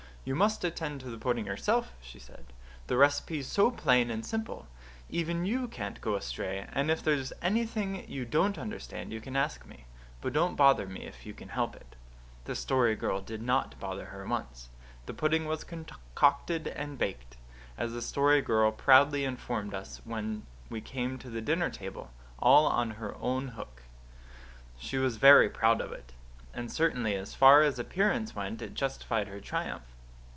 "You must attend to the pudding yourself," she said. "The recipe's so plain and simple even you can't go astray, and if there's anything you don't understand you can ask me. But don't bother me if you can help it." The Story Girl did not bother her once. The pudding was concocted and baked, as the Story Girl proudly informed us when we came to the dinner table, all on her own hook. She was very proud of it; and certainly as far as appearance went it justified her triumph.